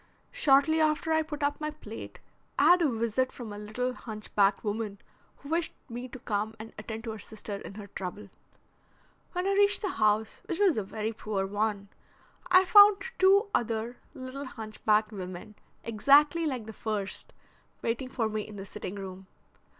Shortly after I put up my plate I had a visit from a little hunch backed woman who wished me to come and attend to her sister in her trouble. When I reached the house, which was a very poor one, I found two other little hunched backed women, exactly like the first, waiting for me in the sitting room.